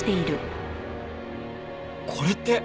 これって。